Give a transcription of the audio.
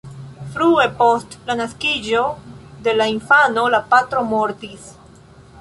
Frue post la naskiĝo de la infano, la patro mortis.